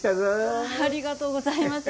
ありがとうございます。